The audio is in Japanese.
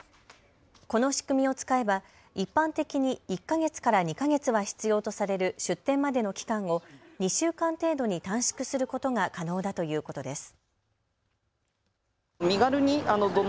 この仕組みを使えば一般的に１か月から２か月は必要とされる出店までの期間を２週間程度に短縮することが可能だということです。